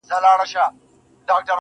په خبرو کي خبري پيدا کيږي,